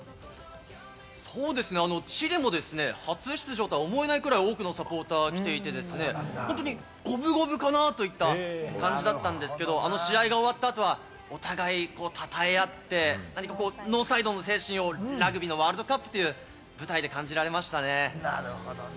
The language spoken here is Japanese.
そうですね、チリも初出場とは思えないくらい、多くのサポーターが来ていて、本当に五分五分かなといった感じだったんですけれども、試合が終わった後はお互いたたえ合って、何かノーサイドの精神をラグビーワールドカップの舞台で感じられましたね。